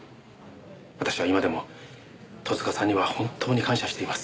私は今でも十津川さんには本当に感謝しています。